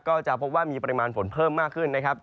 ก็จะพบว่ามีปริมาณฝนเพิ่มมากขึ้นนะครับ